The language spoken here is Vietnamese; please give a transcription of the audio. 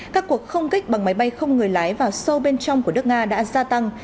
các cuộc không kích bằng máy bay không người lái vào sâu bên trong của nước nga đã gia tăng